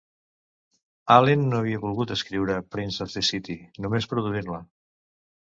Allen no havia volgut escriure "Prince of the City", només produir-la.